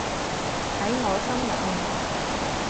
喺我心入面